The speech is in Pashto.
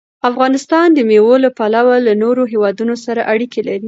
افغانستان د مېوو له پلوه له نورو هېوادونو سره اړیکې لري.